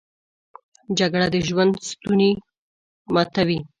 جګړه د ژوند ستونی ماتوي